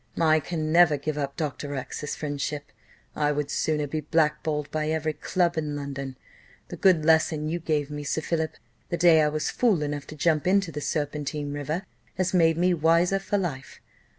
"I can never give up Dr. X 's friendship I would sooner be black balled by every club in London. The good lesson you gave me, Sir Philip, the day I was fool enough to jump into the Serpentine river, has made me wiser for life.